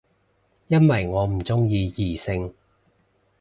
因為我唔鍾意異性